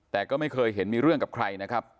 แต่ก็ไม่เคยเห็นมีเรื่องกับใครนะครับ